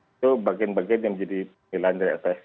itu bagian bagian yang menjadi penilaian dari lpsk